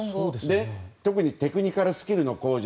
特にテクニカルスキルの向上